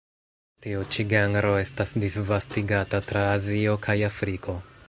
Tiu ĉi genro estas disvastigata tra Azio kaj Afriko.